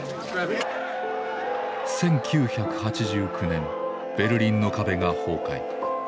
１９８９年ベルリンの壁が崩壊。